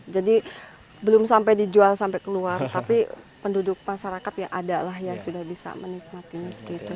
jadi belum sampai dijual sampai keluar tapi penduduk masyarakat ya adalah yang sudah bisa menikmatinya seperti itu